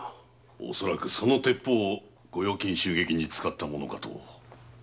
恐らくその鉄砲を御用金襲撃に使ったものかと。